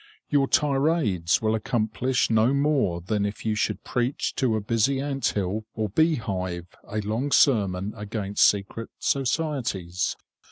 Your tirades will accomplish no more than if you should preach to a busy ant hill or bee hive a long sermon against secret societies.